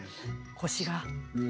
腰が。